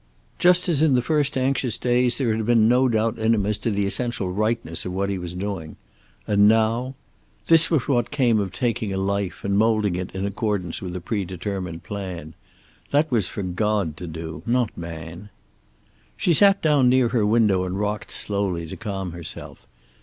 Just as in the first anxious days there had been no doubt in him as to the essential rightness of what he was doing. And now This was what came of taking a life and moulding it in accordance with a predetermined plan. That was for God to do, not man. She sat down near her window and rocked slowly, to calm herself.